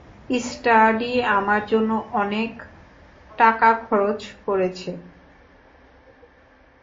Sturdy আমার জন্য অনেক টাকা খরচ করেছে।